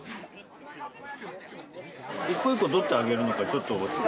一個一個どうやって上げるのかちょっと。